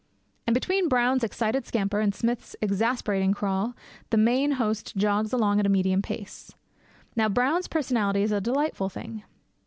And between Brown's excited scamper and Smith's exasperating crawl the main host jogs along at a medium pace. Now Brown's personality is a delightful thing.